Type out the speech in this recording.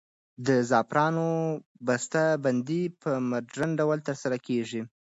د زعفرانو بسته بندي په مډرن ډول ترسره کیږي.